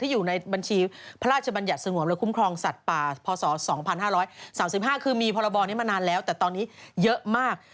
อยู่ในบัญชีพระราชบัญญัติสงวนและคุ้มครองสัตว์ป่าพศ๒๕๓๕คือมีพรบนี้มานานแล้วแต่ตอนนี้เยอะมาก